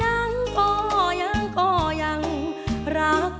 รทำแทนอายุรัฐณ์